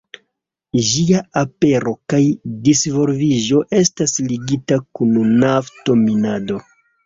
Ĝia apero kaj disvolviĝo estas ligita kun nafto-minado.